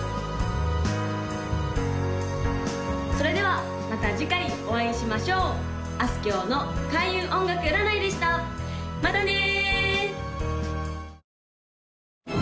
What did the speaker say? それではまた次回お会いしましょうあすきょうの開運音楽占いでしたまたね！